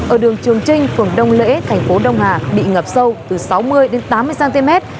ở đường trường trinh phường đông lễ thành phố đông hà bị ngập sâu từ sáu mươi đến tám mươi cm